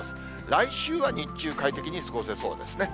来週は日中快適に過ごせそうですね。